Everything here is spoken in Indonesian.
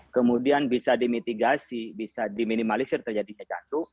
kemudian bisa dimitigasi bisa diminimalisir terjadinya jatuh